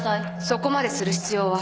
そこまでする必要は。